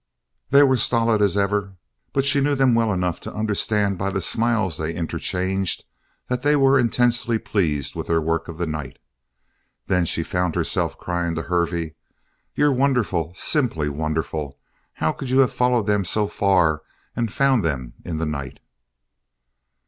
They were stolid as ever but she knew them well enough to understand by the smiles they interchanged, that they were intensely pleased with their work of the night. Then she found herself crying to Hervey: "You're wonderful! Simply wonderful! How could you have followed them so far and found them in the night?"